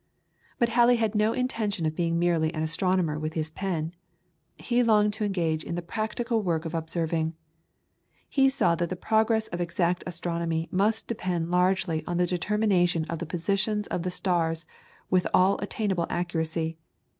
But Halley had no intention of being merely an astronomer with his pen. He longed to engage in the practical work of observing. He saw that the progress of exact astronomy must depend largely on the determination of the positions of the stars with all attainable accuracy.